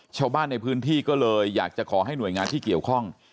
ชาวบ้านในพื้นที่ก็เลยอยากจะขอให้หน่วยงานที่เกี่ยวข้อง